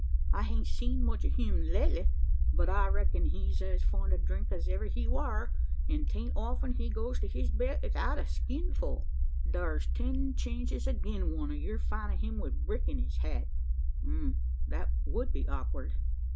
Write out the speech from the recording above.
I hain't seen much o' him lately; but, I reckon, he's as fond o' drink as ever he war; an' 'tain't often he goes to his bed 'ithout a skinful. Thar's ten chances agin one, o' your findin' him wi' brick in his hat." "That would be awkward."